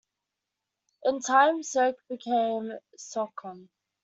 In time, "Soke" became "Socon".